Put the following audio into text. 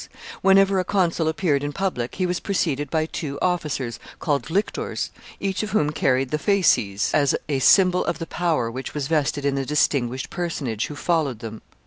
Whenever a consul appeared in public, he was preceded by two officers called lictors, each of whom carried the fasces as a symbol of the power which was vested in the distinguished personage who followed them.